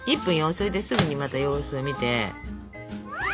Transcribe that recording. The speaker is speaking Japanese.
それですぐにまた様子を見て。